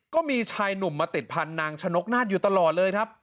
ก็มีชายหนุ่มมาติดพันธุ์นางชนกนาฏอยู่ตลอดเลยครับ